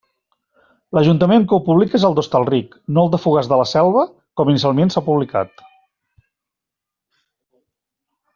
L'Ajuntament que ho publica és el d'Hostalric, no el de Fogars de la Selva com inicialment s'ha publicat.